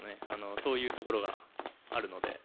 そういうところがあるので。